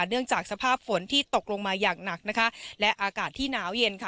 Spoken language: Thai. เนื่องจากสภาพฝนที่ตกลงมาอย่างหนักนะคะและอากาศที่หนาวเย็นค่ะ